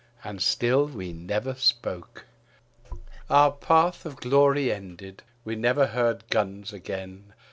And still we never spoke. Our patch of glory ended; we never heard guns again.